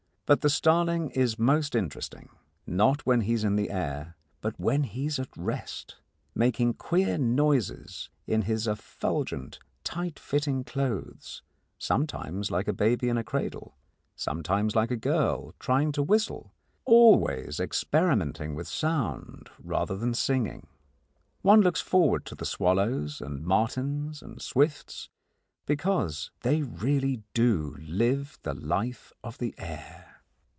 But the starling is most interesting, not when he is in the air, but when he is at rest making queer noises in his effulgent, tight fitting clothes, sometimes like a baby in a cradle, sometimes like a girl trying to whistle, always experimenting with sound rather than singing. One looks forward to the swallows and martins and swifts because they really do live the life of the air.